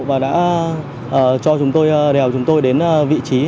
và đã cho chúng tôi đèo chúng tôi đến vị trí